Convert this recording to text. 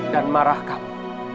dan marah kamu